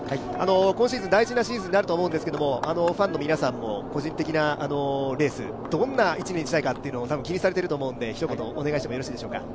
今シーズン大事なシーズンになると思うんですけど、ファンの皆さんも個人的なレース、どんな１年にしたいかというのを気にされていると思うのでひと言お願いしてもよろしいでしょうか。